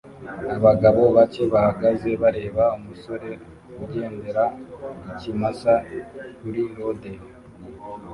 Abagabo bake bahagaze bareba umusore ugendera ikimasa kuri rodeo